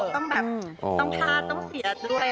ต้องพลาดต้องเสียด้วย